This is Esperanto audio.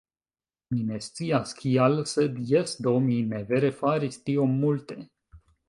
Mi ne scias kial sed, jes, do mi ne vere faris tiom multe